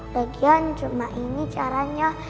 lagian cuma ini caranya